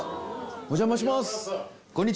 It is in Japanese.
お邪魔します！